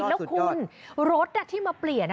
แล้วคุณรถที่มาเปลี่ยน